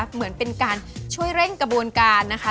เหมือนเป็นการช่วยเร่งกระบวนการนะคะ